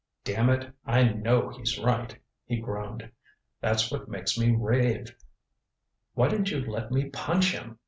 "Damn it, I know he's right," he groaned. "That's what makes me rave. Why didn't you let me punch him?